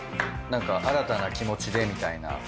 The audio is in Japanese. なんか新たな気持ちでみたいな。